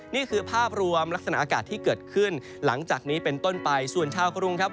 นี่คือภาพรวมลักษณะอากาศที่เกิดขึ้นหลังจากนี้เป็นต้นไปส่วนชาวกรุงครับ